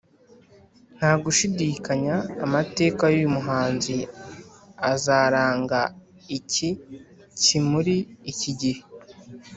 Nta gushidikanya, amateka y'uyu muhanzi azaranga iki kiMuri iki gihe